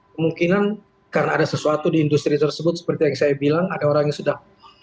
kemungkinan karena ada sesuatu di industri tersebut seperti yang saya bilang ada orang yang sudah